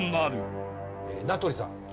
名取さん